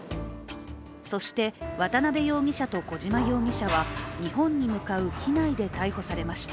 そして渡辺容疑者と小島容疑者は日本に向かう機内で逮捕されました。